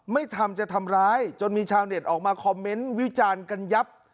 ไม่ทำจะทำร้ายจนมีชาวเน็ตออกมาคอมเมนต์วิจารณ์กันยับ